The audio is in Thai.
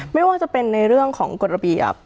ไม่ว่าจะเป็นในเรื่องของกฎระเบียบ